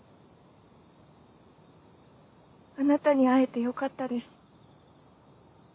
あなたに会えてよかったです。